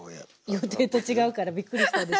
予定と違うからびっくりしたでしょ。